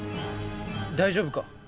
大丈夫か？